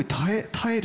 耐える？